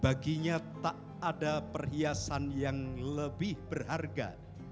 baginya tak ada perhiasan yang lebih berharga